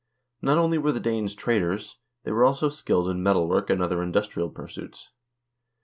Not only were the Danes traders ; they were also skilled in metal work and other industrial pursuits.